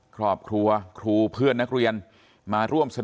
ครอบครัวครูเพื่อนนักเรียนมาร่วมเสนอ